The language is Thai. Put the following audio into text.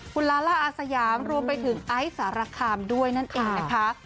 คุณลาล่าอาสยามรวมไปถึงไอซ์สารคามด้วยนั่นเองนะคะ